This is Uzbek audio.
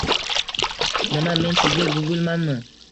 - Nima, men sizga «Google»manmi?